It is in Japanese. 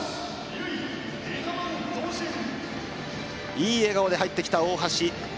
いい笑顔で入ってきた大橋。